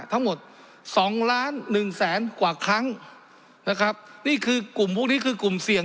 ทั้งหมดสองล้านหนึ่งแสนกว่าครั้งนะครับนี่คือกลุ่มพวกนี้คือกลุ่มเสี่ยง